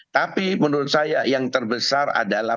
tapi menurut saya yang terbesar adalah